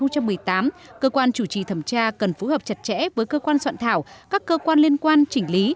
cơ quan chủ trì thẩm tra cần phù hợp chặt chẽ với cơ quan soạn thảo các cơ quan liên quan chỉnh lý